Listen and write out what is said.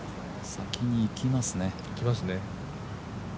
先にいきますね。